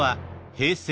平成。